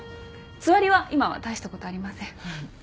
つわりは今は大した事ありません。